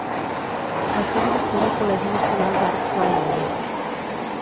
Va ser director del Col·legi Nacional d'Arts de Lahore.